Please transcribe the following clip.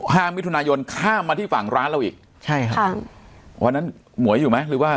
ห้ามิถุนายนข้ามมาที่ฝั่งร้านเราอีกใช่ค่ะวันนั้นหมวยอยู่ไหมหรือว่า